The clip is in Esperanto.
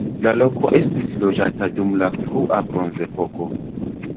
La loko estis loĝata dum la frua bronzepoko.